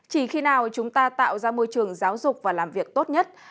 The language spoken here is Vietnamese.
chỉ khi nào chúng ta tạo ra môi trường giáo dục và làm việc tốt nhất